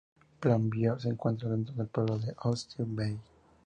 Plainview se encuentra dentro del pueblo de Oyster Bay.